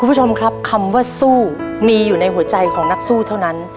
คุณผู้ชมครับคำว่าสู้มีอยู่ในหัวใจของนักสู้เท่านั้น